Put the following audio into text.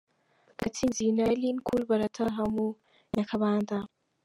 Gatsinzi na Aline Cool barataha mu Nyakabanda.